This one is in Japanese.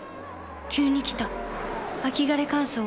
急に来た秋枯れ乾燥。